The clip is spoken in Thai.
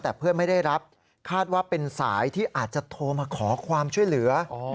แต่เพื่อนไม่ได้รับคาดว่าเป็นสายที่อาจจะโทรมาขอความช่วยเหลือ